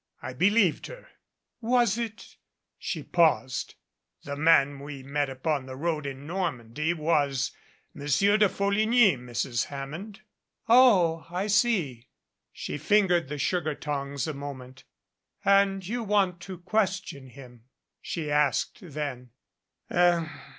I believed her." "Was it " she paused. "The man we met upon the road in Normandy was Monsieur de Folligny, Mrs. Hammond." "Oh! I see." She fingered the sugar tongs a moment. "And you want to question him?" she asked then.